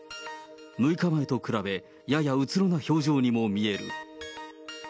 ６日前と比べ、ややうつろな表情にも見える。